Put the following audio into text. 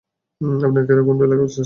আপনাকে এরকমটাই বলেছে সে?